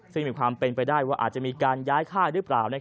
ซึ่งมีความเป็นไปได้ว่าอาจจะมีการย้ายค่ายหรือเปล่า